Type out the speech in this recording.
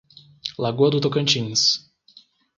Lagoa do Tocantins